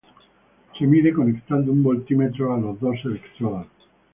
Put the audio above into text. Se mide conectando un voltímetro a los dos electrodos.